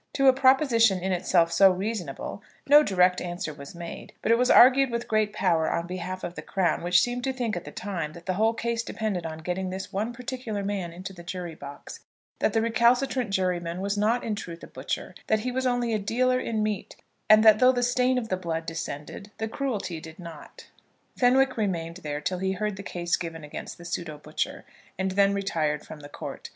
To a proposition in itself so reasonable no direct answer was made; but it was argued with great power on behalf of the crown, which seemed to think at the time that the whole case depended on getting this one particular man into the jury box, that the recalcitrant juryman was not in truth a butcher, that he was only a dealer in meat, and that though the stain of the blood descended the cruelty did not. Fenwick remained there till he heard the case given against the pseudo butcher, and then retired from the court.